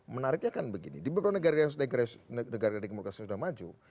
menariknya kan begini di beberapa negara demokrasi sudah maju